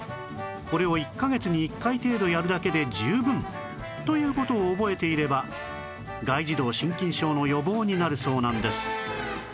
これを１カ月に１回程度やるだけで十分という事を覚えていれば外耳道真菌症の予防になるそうなんです